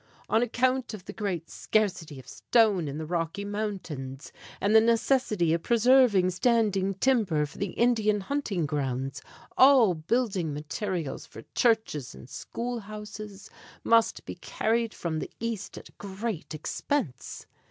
On account of the great scarcity of stone in the Rocky Mountains, and the necessity of preserving standing timber for the Indian hunting grounds, all building materials for churches and school houses must be carried from the East at great expense.